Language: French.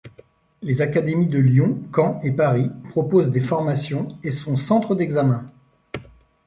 Les académies de Lyon, Caen et Paris proposent des formations et sont centres d'examen.